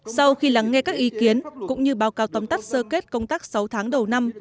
sau khi lắng nghe các ý kiến cũng như báo cáo tóm tắt sơ kết công tác sáu tháng đầu năm